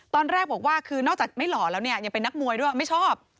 ตอนแรกบอกว่าคือนอกจากไม่หล่อแล้วเนี่ยยังเป็นนักมวยด้วยไม่ชอบ